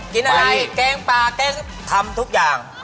กินอะไรแกงปลาแกงทำทุกอย่าง